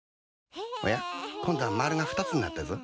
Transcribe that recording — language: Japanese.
おや今度は丸が２つになったぞ。